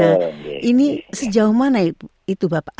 nah ini sejauh mana itu bapak